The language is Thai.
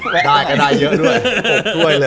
ก็ได้ก็ได้เยอะด้วย๖ถ้วยเลย